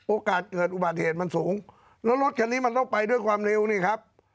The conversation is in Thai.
โอกาสเกิดอุบัติเหตุมันสูงแล้วรถคันนี้มันต้องไปด้วยความเร็วนี่ครับ